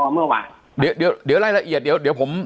เมื่อวานเดี๋ยวเดี๋ยวรายละเอียดเดี๋ยวเดี๋ยวผม